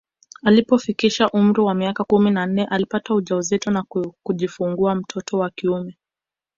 Alipofikisha umri wa miaka kumi na nne alipata ujauzito na kujifungua mtoto wa kiume